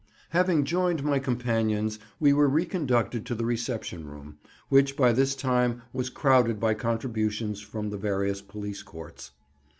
Having joined my companions we were reconducted to the reception room, which by this time was crowded by contributions from the various Police courts.